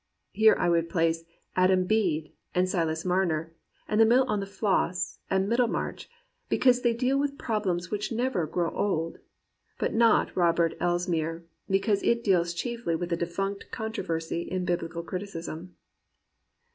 Here I would place Adam Bede and Silas Mamer and The Mill on the Floss and Middlemarchy because they deal with problems which never grow old; but not Robert Elsmere, be cause it deals chiejfly with a defunct controversy in Biblical criticism.